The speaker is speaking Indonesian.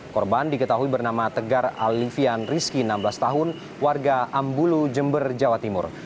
korban diketahui bernama tegar alifian rizki enam belas tahun warga ambulu jember jawa timur